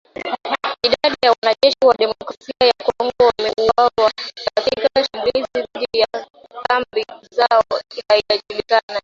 Idadi ya wanajeshi wa Demokrasia ya Kongo waliouawa katika shambulizi dhidi ya kambi zao haijajulikana